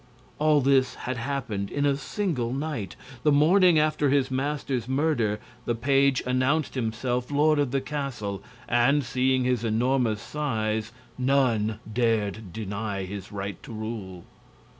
All this had happened in a single night. The morning after his master's murder the page announced himself lord of the castle; and, seeing his enormous size, none dared deny his right to rule.